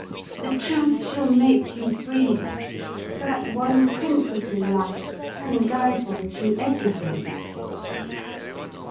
The Truth shall make you Free. That one principle in life can guide one through everything."